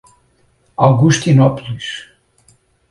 Augustinópolis